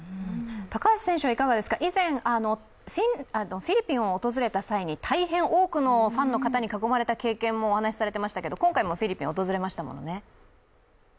高橋選手はいかがですか、以前、フィリピンを訪れた際に大変多くのファンの方に囲まれた経験もお話しされてましたけど今回もフィリピン訪れましたものね。